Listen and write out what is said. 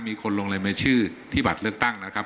มีคนลงรายมือชื่อที่บัตรเลือกตั้งนะครับ